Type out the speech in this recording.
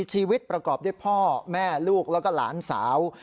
ชีวิตประกอบด้วยพ่อแม่ลูกแล้วก็หลานสาว